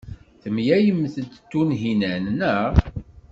Temlalemt-d Tunhinan, naɣ?